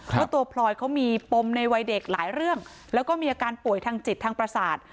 เพราะตัวพลอยเขามีปมในวัยเด็กหลายเรื่องแล้วก็มีอาการป่วยทางจิตทางประสาท